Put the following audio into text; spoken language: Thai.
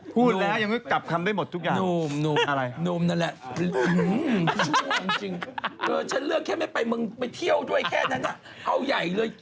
ไปเที่ยวด้วยแค่นั้นพ่อใหญ่เลย